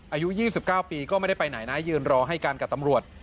อายุ๒๙ปีก็ไม่ได้ไปไหนนะยืนรอให้กันกับตำรวจ